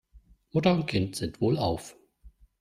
Mutter und Kind sind wohlauf.